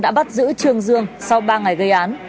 đã bắt giữ trương dương sau ba ngày gây án